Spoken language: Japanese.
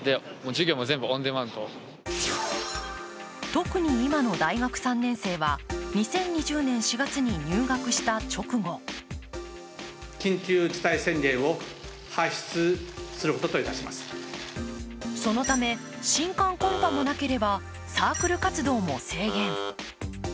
特に今の大学３年生は、２０２０年４月に入学した直後そのため新歓コンパもなければ、サークル活動も制限。